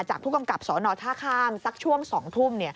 ผู้กำกับสนท่าข้ามสักช่วง๒ทุ่ม